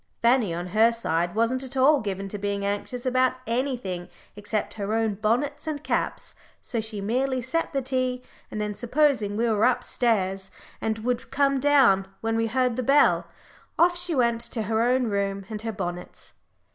Fanny, on her side, wasn't at all given to being anxious about anything except her own bonnets and caps, so she merely set the tea, and then, "supposing" we were up stairs, and would come down when we heard the bell, off she went to her own room and her bonnets.